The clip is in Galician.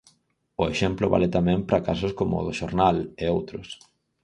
O exemplo vale tamén para casos como o do Xornal, e outros.